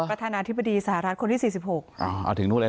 ประธานาธิบดีสหรัฐคนที่สี่สิบหกอ่าเอาถึงนู่นเลย